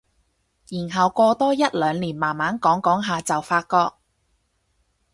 然後過多一兩年慢慢講講下就發覺